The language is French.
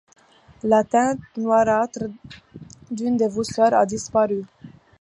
La teinte noirâtre d'une des voussures a disparu.